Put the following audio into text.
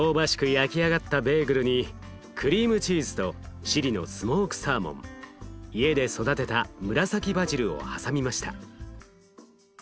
焼き上がったベーグルにクリームチーズとチリのスモークサーモン家で育てた紫バジルを挟みました。